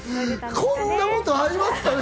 こんなことありますかね？